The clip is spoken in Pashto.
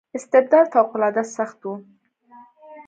استبداد فوق العاده سخت و.